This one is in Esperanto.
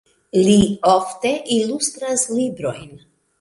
Li ofte ilustras librojn.